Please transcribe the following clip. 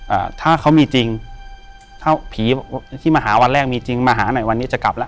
อ่าถ้าเขามีจริงถ้าผีที่มาหาวันแรกมีจริงมาหาหน่อยวันนี้จะกลับแล้ว